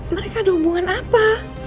mereka ada hubungan apa